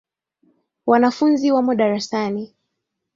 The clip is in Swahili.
Wanafunzi wamo darasani.